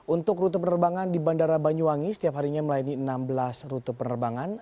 untuk rute penerbangan di bandara banyuwangi setiap harinya melayani enam belas rute penerbangan